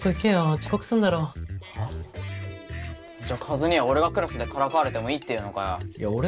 じゃあ和兄は俺がクラスでからかわれてもいいって言うのかよ？